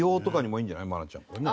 愛菜ちゃんこれね。